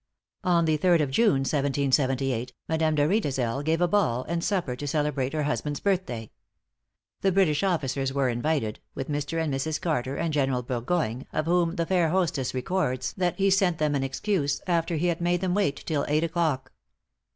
On the third of June, 1778, Madame de Riedesel gave a ball and supper to celebrate her husband's birthday. The British officers were invited, with Mr. and Mrs. Carter, and General Burgoyne, of whom the fair hostess records that he sent an ex cuse after he had made them wait till eight o'clock.